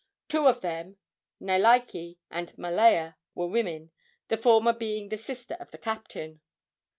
Two of them Neleike and Malaea were women, the former being the sister of the captain.